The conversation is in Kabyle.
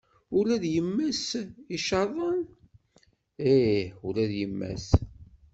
Ula d yemma-s icaḍen? Ih ula d yemma-s.